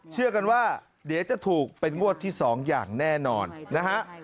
เชื่อกันว่าเดี๋ยวจะถูกเป็นงวดที่๒อย่างแน่นอนนะฮะ